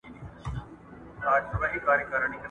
¬ بزه چي بام ته وخېژي، لېوه ته لا ښکنځل کوي.